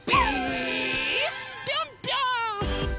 ぴょんぴょん！